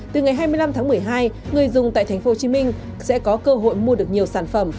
từ ngày hai mươi năm tháng một mươi hai người dùng tại tp hcm sẽ có cơ hội mua được nhiều sản phẩm